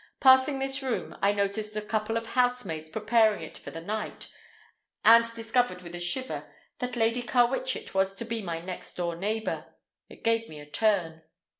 Passing this room I noticed a couple of housemaids preparing it for the night, and discovered with a shiver that Lady Carwitchet was to be my next door neighbor. It gave me a turn.